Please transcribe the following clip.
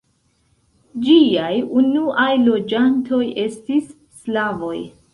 Ĝiaj unuaj loĝantoj estis slavoj.